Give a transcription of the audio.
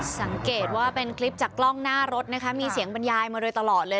สังเกตว่าเป็นคลิปจากกล้องหน้ารถนะคะมีเสียงบรรยายมาโดยตลอดเลย